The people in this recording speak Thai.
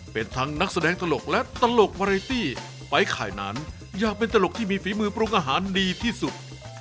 เป็นทั้งนักแสดงตลกและตลกมาเรตี้ไปไข่นั้นอยากเป็นตลกที่มีฝีมือปรุงอาหารดีที่สุด